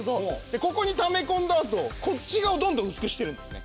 ここにため込んだ後こっち側どんどん薄くしてるんですね。